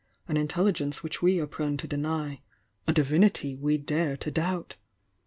An In telligence which we are prone to deny — a Divinity we dare to doubt!